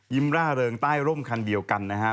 ร่าเริงใต้ร่มคันเดียวกันนะฮะ